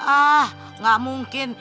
ah gak mungkin